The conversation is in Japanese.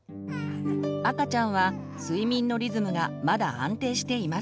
赤ちゃんは睡眠のリズムがまだ安定していません。